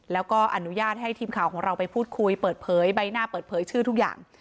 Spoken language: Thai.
แล้วก็อนุญาตให้ทีมข่าวของเราไปพูดคุยเปิดเผยใบหน้าเปิดเผยชื่อทุกอย่าง